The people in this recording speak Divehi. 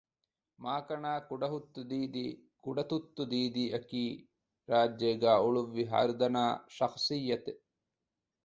މާކަނާ ކުޑަހުއްތު ދީދީ ކުޑަތުއްތު ދީދީ އަކީ ރާއްޖޭގައި އުޅުއްވި ހަރުދަނާ ޝަޚުޞިއްޔަތެއް